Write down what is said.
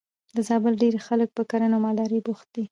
د زابل ډېری خلک په کرنه او مالدارۍ بوخت دي.